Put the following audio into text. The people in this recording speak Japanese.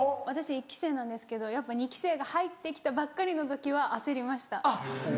私一期生なんですけどやっぱ二期生が入って来たばっかりの時は焦りました。